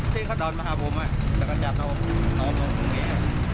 พี่เขาดอนมาหาผมแล้วก็จัดเราลงตรงนี้